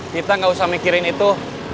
kita nggak usah mikirin itu